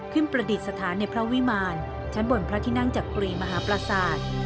ประดิษฐานในพระวิมารชั้นบนพระที่นั่งจักรีมหาประสาท